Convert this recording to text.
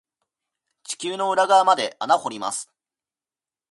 地球の裏側まで穴掘ります。